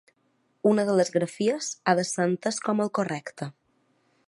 Una de les grafies ha de ser entès com el correcte.